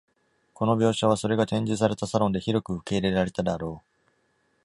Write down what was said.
この描写は、それが展示されたサロンで広く受け入れられたであろう。